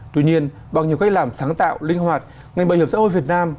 tuy nhiên bằng nhiều cách làm sáng tạo linh hoạt ngành bảo hiểm xã hội việt nam